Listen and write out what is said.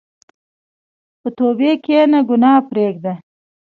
په توبې کښېنه، ګناه پرېږده.